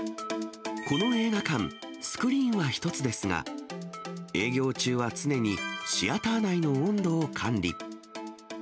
この映画館、スクリーンは１つですが、営業中は常にシアター内の温度を管理。